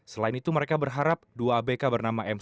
selain itu mereka berharap dua abk bernama m empat a satu